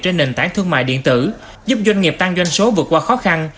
trên nền tảng thương mại điện tử giúp doanh nghiệp tăng doanh số vượt qua khó khăn